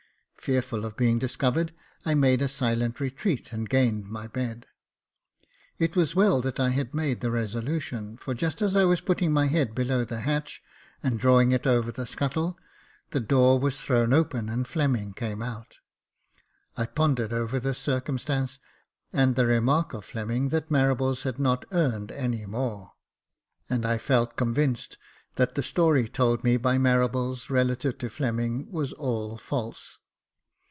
Fearful of being discovered, I made a silent retreat, and gained my bed. It was well that I had made the resolution ; for just as I was putting my head below the hatch, and drawing it over the scuttle, the door was thrown open, and Fleming came out. I pondered over this circumstance, and the remark of Fleming, that Marables had not earned any more, and I felt convinced that the story told me by Marables relative to Fleming was all false.